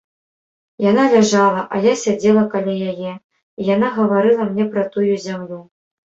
Яна ляжала, а я сядзела каля яе, і яна гаварыла мне пра тую зямлю.